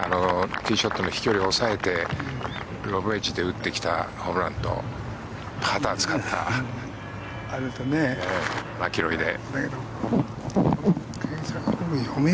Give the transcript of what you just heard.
ティーショットの飛距離は抑えてロングウェッジで打ってきたホブランとパターを使ったマキロイで。